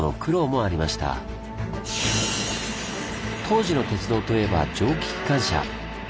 当時の鉄道といえば蒸気機関車。